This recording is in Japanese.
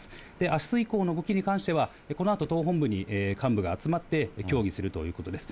あす以降の動きに関しては、このあと党本部に幹部が集まって協議するということです。